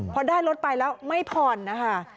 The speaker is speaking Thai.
พอได้รถไปแล้วไม่ผ่อนนะคะ